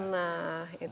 nah itu dia